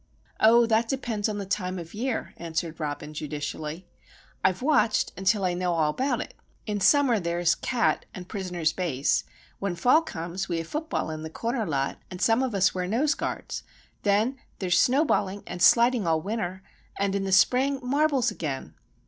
"Oh, that depends on the time of year," answered Robin, judicially. "I've watched, until I know all about it. In summer there is Cat and Prisoner's Base; when fall comes we have football in the corner lot, and some of us wear noseguards; then there's snowballing and sliding all winter; and in the spring, marbles, again.